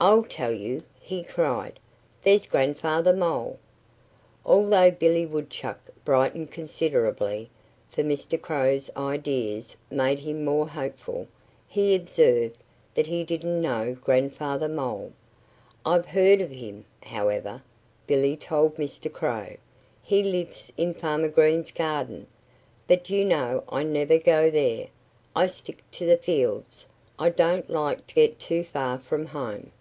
"I'll tell you!" he cried. "There's Grandfather Mole!" Although Billy Woodchuck brightened considerably for Mr. Crow's ideas made him more hopeful he observed that he didn't know Grandfather Mole. "I've heard of him, however," Billy told Mr. Crow. "He lives in Farmer Green's garden. But you know I never go there. I stick to the fields. I don't like to get too far from home."